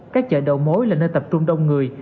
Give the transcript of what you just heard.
các chợ đầu mối là nơi tập trung đông người